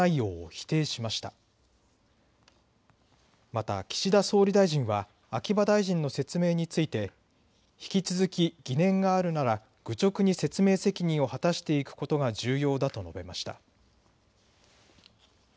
また岸田総理大臣は秋葉大臣の説明について引き続き疑念があるなら愚直に説明責任を果たしていくことが重要だと述べました。